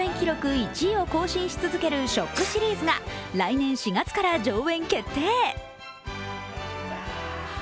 １位を更新し続ける「ＳＨＯＣＫ」シリーズが来年４月から上演決定。